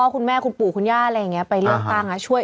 คุณแม่คุณปู่คุณย่าอะไรอย่างนี้ไปเลือกตั้งช่วย